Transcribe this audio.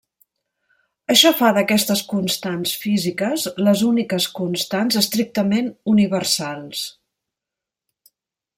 Això fa d'aquestes constants físiques les úniques constants estrictament universals.